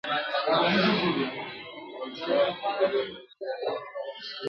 موږ بايد د کتاب مينه له کوچنيوالي څخه په زړونو کي ژوندۍ وساتو ..